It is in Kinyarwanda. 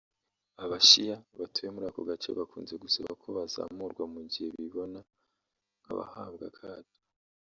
Aba-Shia batuye muri ako gace bakunze gusaba ko bazamurwa mu gihe bibona nk’abahabwa akato